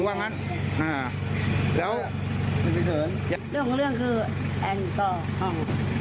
เรื่องคือแอลกอหอ